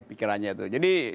pikirannya itu jadi